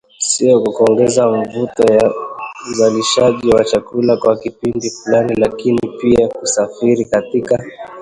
sio tu kuongeza mavuno ya uzalishaji wa chakula kwa kipindi fulani, lakini pia kusafiri katika